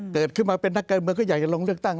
เกิดขึ้นมาเป็นนักการเมืองก็อยากจะลงเลือกตั้ง